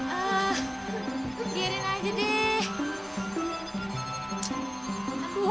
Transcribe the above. ah biarin aja deh